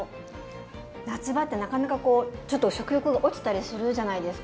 夏場ってなかなかこうちょっと食欲が落ちたりするじゃないですか。